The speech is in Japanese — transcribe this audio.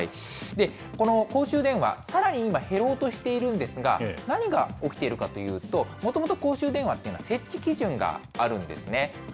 この公衆電話、さらに今、減ろうとしているんですが、何が起きているかというと、もともと公衆電話というのは設置基準があるんですね。